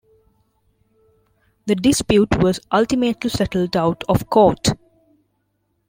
The dispute was ultimately settled out of court.